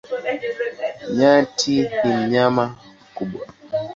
Nyati ni mnyama mkubwa.